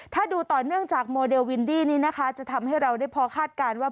ถ้าดูต่อเนื่องจากโมเดลวินดี้นี้นะคะจะทำให้เราได้พอคาดการณ์ว่า